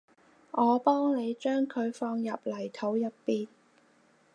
我幫你將佢放入泥土入邊